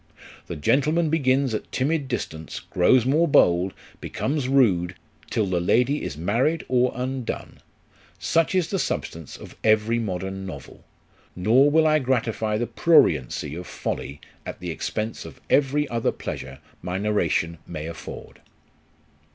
The gentleman begins at timid distance, grows more bold, becomes rude, till the lady is married or undone : such is the substance of every modern novel ; nor will I gratify the pruriency of folly at the expense of every other pleasure my narration may afford.